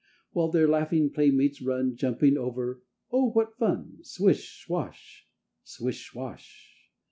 _ While their laughing playmates run Jumping over, oh, what fun! _Swish swash! Swish swash!